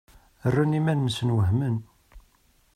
Rran iman-nsen wehmen.